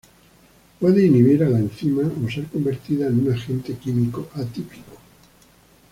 Puede inhibir a la enzima o ser convertida en un agente químico atípico.